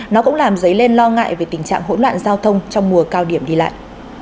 nó cũng làm dấy lên lo ngại về tình trạng hỗn loạn giao thông trong mùa cao điểm đi lại